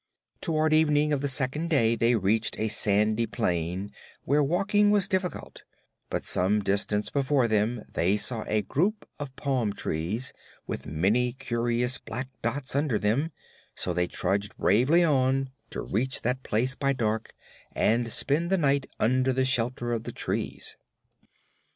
Toward evening of the second day they reached a sandy plain where walking was difficult; but some distance before them they saw a group of palm trees, with many curious black dots under them; so they trudged bravely on to reach that place by dark and spend the night under the shelter of the trees.